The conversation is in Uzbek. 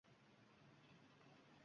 turkiy millatlar birligi